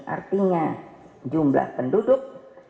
artinya jumlah penduduk